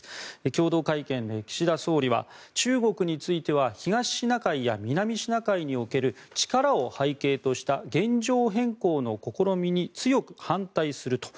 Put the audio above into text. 共同会見で岸田総理は中国については東シナ海や南シナ海における力を背景とした現状変更の試みに強く反対すると。